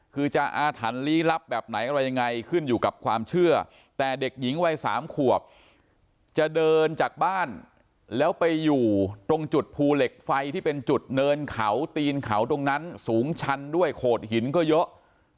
คือจะอาถรรพ์ลี้ลับแบบไหนอะไรยังไงขึ้นอยู่กับความเชื่อแต่เด็กหญิงวัย๓ขวบจะเดินจากบ้านแล้วไปอยู่ตรงจุดภูเหล็กไฟที่เป็นจุดเนินเขาตีนเขาตรงนั้นสูงชันด้วยโขดหินก็เยอะ